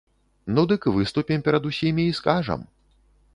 Ну, дык выступім перад усімі і скажам.